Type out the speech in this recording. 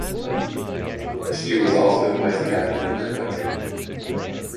She was also vice-captain of her country.